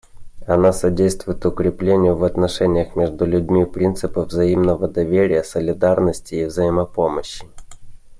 Она содействует укреплению в отношениях между людьми принципов взаимного доверия, солидарности и взаимопомощи.